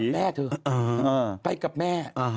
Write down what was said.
เดินไปกับแม่เถอะไปกับแม่